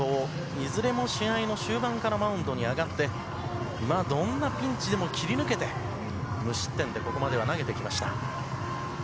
いずれも試合の終盤からマウンドに上がってどんなピンチでも切り抜けて無失点でここまでは投げてきました。